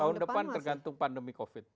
tahun depan tergantung pandemi covid